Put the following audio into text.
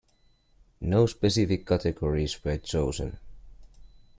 No specific categories were chosen.